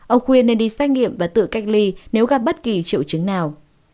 ông khuyên nên đi xét nghiệm và tự cách ly nếu gặp bất kỳ triệu chứng nào